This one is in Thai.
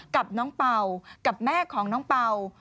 กับน้องเป่ากับแม่ของน้องเป่า